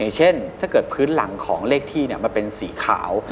เช่นถ้าเกิดพื้นหลังของเลขที่มันเป็นสีขาว